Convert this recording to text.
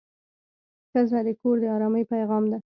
ښځه د کور د ارامۍ پېغام ده.